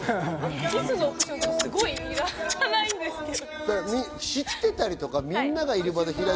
キスのオプションいらないんですけど。